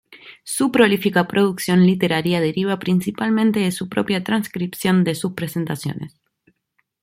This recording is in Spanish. Su prolífica producción literaria deriva principalmente de su propia transcripción de sus presentaciones.